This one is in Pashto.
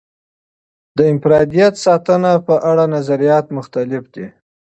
د انفرادیت ساتنې په اړه نظریات مختلف دي.